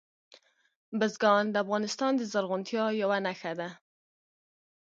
بزګان د افغانستان د زرغونتیا یوه نښه ده.